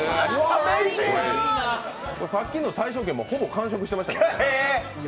さっきの大勝軒もほぼ完食してましたから。